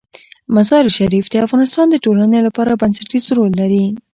مزارشریف د افغانستان د ټولنې لپاره بنسټيز رول لري.